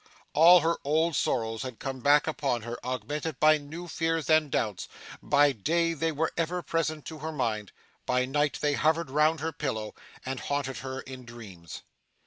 All her old sorrows had come back upon her, augmented by new fears and doubts; by day they were ever present to her mind; by night they hovered round her pillow, and haunted her in dreams.